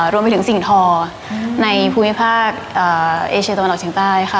รวมไปถึงสิ่งทอในภูมิภาคเอเชียตะวันออกเฉียงใต้ค่ะ